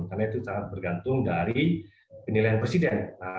karena itu sangat bergantung dari penilaian presiden